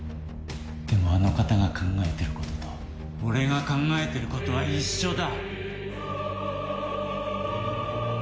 でもあの方が考えてることと俺が考えてることは一緒だ。